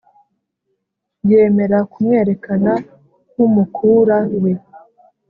yemera kumwerekana, nk'umukura we,